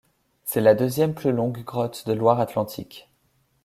C'est la deuxième plus longue grotte de Loire-Atlantique.